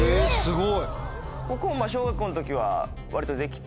すごい。